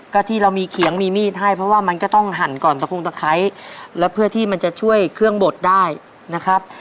ก็ที่เรามีเขียงมีมีดให้เพราะว่ามันก็ต้องหั่นก่อนตะโค้งตะไคร้แล้วเพื่อที่มันจะช่วยเครื่องบดได้นะครับ